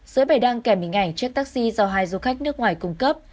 dưới bài đăng kèm hình ảnh chiếc taxi do hai du khách nước ngoài cung cấp